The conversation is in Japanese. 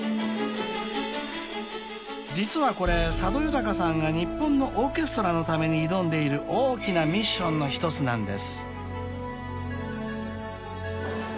［実はこれ佐渡裕さんが日本のオーケストラのために挑んでいる大きなミッションの一つなんです］